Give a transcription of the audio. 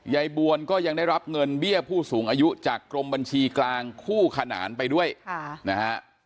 ยายบวนก็ยังได้รับเงินเบี้ยผู้สูงอายุจากกรมบัญชีกลางคู่ขนานไปด้วยนะฮะ